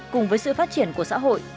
cùng với sự phát triển của xã hội